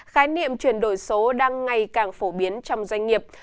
khái niệm chuyển đổi số đang ngày càng phổ biến trong doanh nghiệp